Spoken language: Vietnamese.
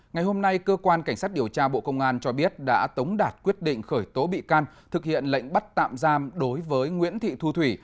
ngày hôm nay cơ quan cảnh sát điều tra bộ công an cho biết đã tống đạt quyết định khởi tố bị can thực hiện lệnh bắt tạm giam đối với nguyễn thị thu thủy